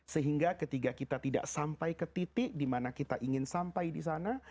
sehingga ketika kita tidak sampai ke titik di mana kita ingin sampai di sana